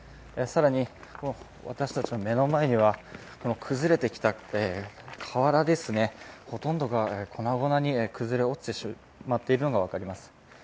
更に私たちの目の前には崩れてきた瓦ですねほとんどが粉々に崩れ落ちてしまっているのが分かります。